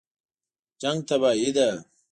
جنګ تباهي ده